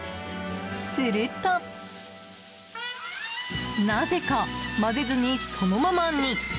すると、なぜか混ぜずにそのままに。